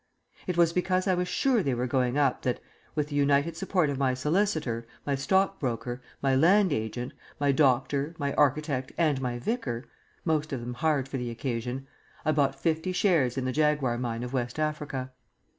It was because I was sure they were going up that, with the united support of my solicitor, my stockbroker, my land agent, my doctor, my architect and my vicar (most of them hired for the occasion), I bought fifty shares in the Jaguar mine of West Africa.